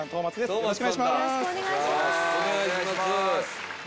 よろしくお願いします。